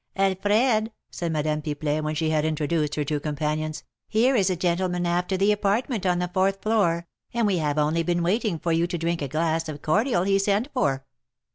"Alfred," said Madame Pipelet, when she had introduced her two companions, "here is a gentleman after the apartment on the fourth floor, and we have only been waiting for you to drink a glass of cordial he sent for."